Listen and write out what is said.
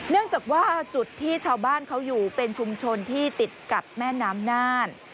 เนื่องจากว่าจุดที่ชาวบ้านเขาอยู่เป็นชุมชนที่ติดกับแม่น้ำน่าน